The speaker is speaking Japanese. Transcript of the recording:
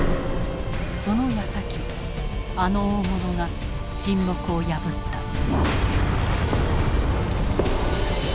そのやさきあの大物が沈黙を破った。